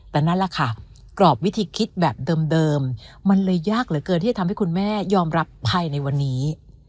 แต่นั่นแหละค่ะกรอบวิธีคิดแบบเดิมมันเลยยากเหลือเกินที่จะทำให้คุณแม่ยอมรับภายในวันนี้